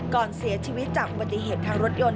ก่อนเสียชีวิตจากอุบัติเหตุทางรถยนต์